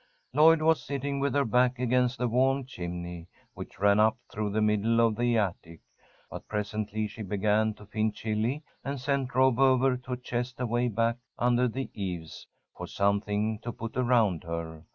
Lloyd was sitting with her back against the warm chimney, which ran up through the middle of the attic, but presently she began to feel chilly, and sent Rob over to a chest, away back under the eaves, for something to put around her.